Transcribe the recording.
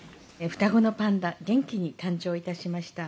双子のパンダ、元気に誕生いたしました。